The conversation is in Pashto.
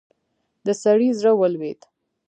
د سړي زړه ولوېد.